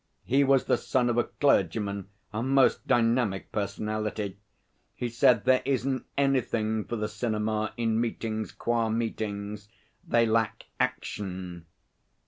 He was the son of a clergyman a most dynamic personality. He said there isn't anything for the cinema in meetings qua meetings they lack action.